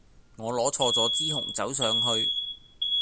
我攞錯咗支紅酒上去